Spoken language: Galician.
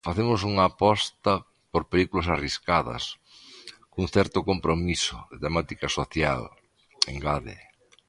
Facemos unha aposta por películas arriscadas, cun certo compromiso, de temática social, engade.